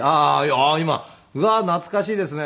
ああー今うわー懐かしいですね。